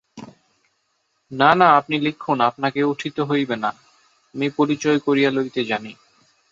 না না, আপনি লিখুন, আপনাকে উঠিতে হইবে না–আমি পরিচয় করিয়া লইতে জানি।